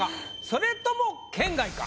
それとも圏外か？